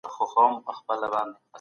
اقتصادي وده باید تر پخوا خورا غوره وي.